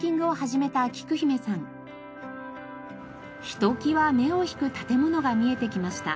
ひときわ目を引く建物が見えてきました。